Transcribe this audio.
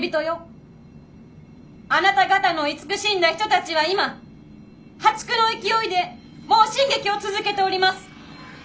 あなた方の慈しんだ人たちは今破竹の勢いで猛進撃を続けております！